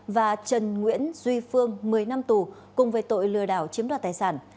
và trần nguyễn duy phương một mươi năm tù cùng về tội lừa đảo chiếm đoạt tài sản